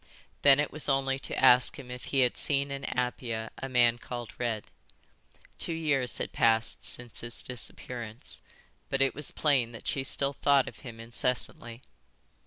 Then it was only to ask him if he had seen in Apia a man called Red. Two years had passed since his disappearance, but it was plain that she still thought of him incessantly.